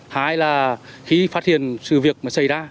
hai là khi phát hiện sự việc xảy ra